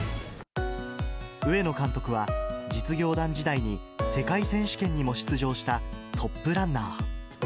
上野監督は、実業団時代に世界選手権にも出場したトップランナー。